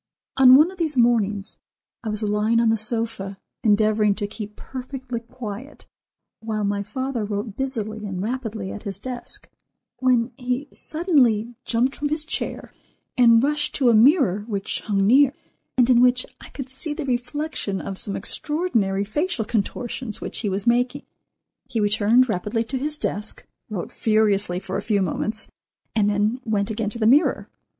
On one of these mornings, I was lying on the sofa endeavouring to keep perfectly quiet, while my father wrote busily and rapidly at his desk, when he suddenly jumped from his chair and rushed to a mirror which hung near, and in which I could see the reflection of some extraordinary facial contortions which he was making. He returned rapidly to his desk, wrote furiously for a few moments, and then went again to the mirror.